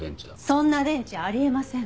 そんな電池あり得ません。